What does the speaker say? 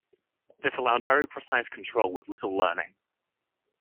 This allowed very precise control with little learning.